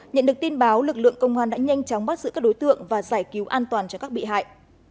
nhận được tin báo lực lượng công an đã nhanh chóng bắt giữ các đối tượng và giải cứu an toàn cho các bị hại